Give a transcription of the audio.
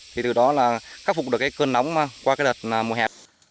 thì từ đó là khắc phục được cái cơn nóng qua cái đợt mùa hè